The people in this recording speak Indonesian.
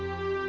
amin ya allah